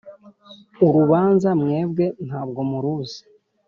urubanza mwebwe ntabwo muruzi